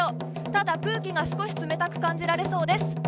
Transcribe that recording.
ただ、空気が少し冷たく感じられそうです。